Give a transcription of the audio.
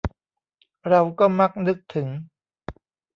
เราก็มักนึกถึง